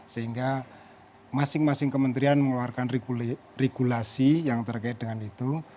sehingga masing masing kementerian mengeluarkan regulasi yang terkait dengan itu